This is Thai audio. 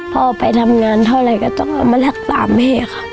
พ่อไปทำงานเท่าไหร่ก็ต้องเอามารักษาแม่ค่ะ